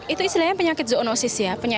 itu istilahnya penyakit zoonosis ya